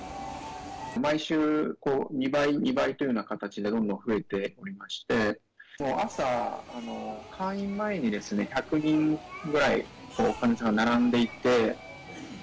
毎週２倍、２倍というような形で、どんどん増えておりまして、もう朝、開院前にですね、１００人ぐらい患者さん並んでいて。